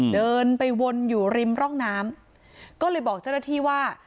เดินไปวนอยู่ริมร่องน้ำก็เลยบอกเจ้าหน้าที่ว่า